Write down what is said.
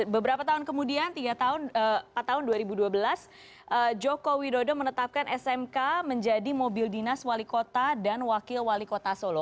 beberapa tahun kemudian tahun dua ribu dua belas joko widodo menetapkan smk menjadi mobil dinas wali kota dan wakil wali kota solo